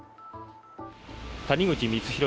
谷口光弘